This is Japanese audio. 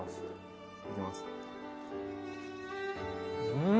うん！